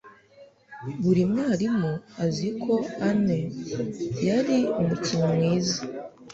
Buri mwarimu azi ko Ann ari umukinnyi mwiza